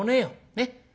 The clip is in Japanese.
ねっ。